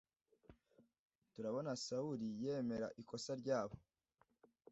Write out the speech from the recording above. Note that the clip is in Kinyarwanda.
turabona sawuli yemera ikosa ryabo